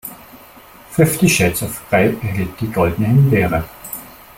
Fifty Shades of Grey erhielt die Goldene Himbeere.